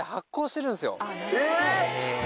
えっ！